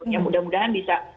yang mudah mudahan bisa